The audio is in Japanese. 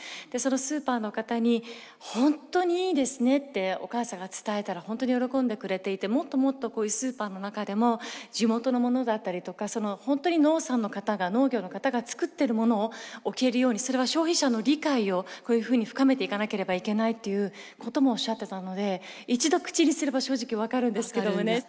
でそのスーパーの方に「本当にいいですね」ってお母さんが伝えたら本当に喜んでくれていてもっともっとこういうスーパーの中でも地元のものだったりとか本当に農産の方が農業の方が作ってるものを置けるようにそれは消費者の理解をこういうふうに深めていかなければいけないっていうこともおっしゃってたので一度口にすれば正直分かるんですけどもね。